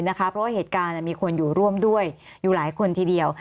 เพราะว่าเหตุการณ์มีคนอยู่ร่วมด้วยอยู่หลายคนทีเดียว